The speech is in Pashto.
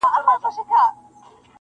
o ځوانان پرې بحث کوي کله,